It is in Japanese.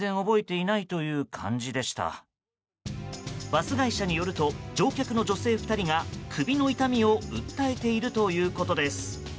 バス会社によると乗客の女性２人が首の痛みを訴えているということです。